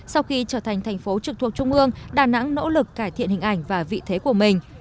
sau khi trở thành thành phố trực thuộc trung ương đà nẵng nỗ lực cải thiện hình ảnh và vị thế của mình